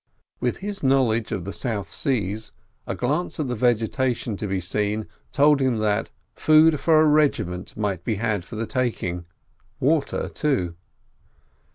With his knowledge of the South Seas a glance at the vegetation to be seen told him that food for a regiment might be had for the taking; water, too.